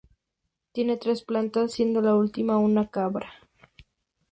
Tiene tres plantas, siendo la última una cambra.